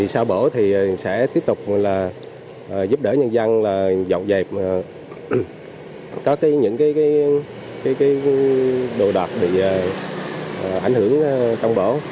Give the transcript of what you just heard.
sau bổ thì sẽ tiếp tục giúp đỡ nhân dân dọn dẹp có những đồ đọc bị ảnh hưởng trong bổ